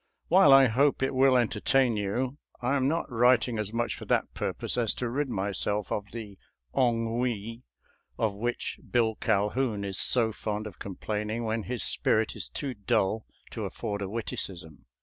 While I hope it will entertain you, I am not writing as much for that purpose as to rid myself of the " ongwee " of which Bill Calhoun is so fond of complaining, when his spirit is too dull to afford a witticism.